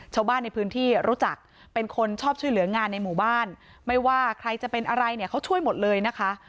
ชาวบ้านในพื้นที่รู้จักเป็นคนชอบช่วยเหลืองานในหมู่บ้านไม่ว่าใครจะเป็นอะไรเนี่ยเขาช่วยหมดเลยนะคะ